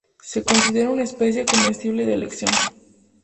Se considera una especie comestible de elección.